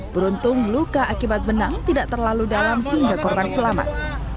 beruntung luka akibat benang tidak terlalu dalam hingga korban selamat